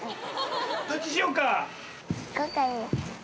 どっちにしようか？